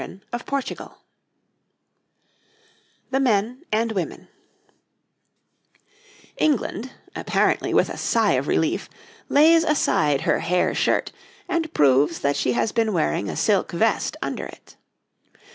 }] England, apparently with a sigh of relief, lays aside her hair shirt, and proves that she has been wearing a silk vest under it.